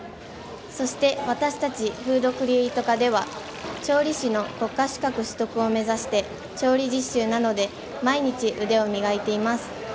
そして、私たちフードクリエイト科では調理師の国家資格取得を目指して、調理実習などで毎日腕を磨いています。